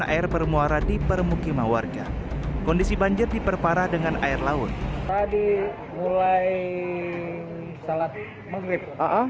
air bermuara di permukiman warga kondisi banjir diperparah dengan air laut tadi mulai salat maghrib